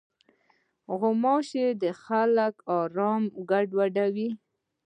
غوماشې د خلکو د آرام ګډوډوي.